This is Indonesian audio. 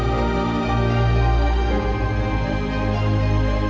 bisa dari rakyat kitacu victor